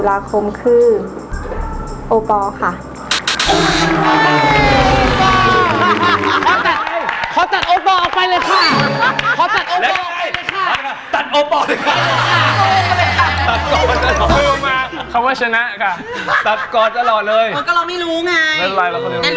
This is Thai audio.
มาเขาว่าชนะค่ะตัดกอดตลอดเลยก็เราไม่รู้ไงใช่ไหม